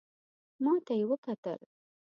ماته یې وکتل .